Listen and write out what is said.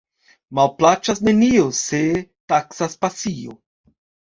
Malplaĉas nenio, se taksas pasio.